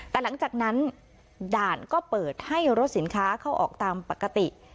แต่หลังจากนั้นด่านก็เปิดให้รถสินค้าเข้าออกตามปกติ